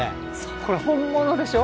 これ本物でしょ？